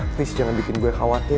please jangan bikin gue khawatir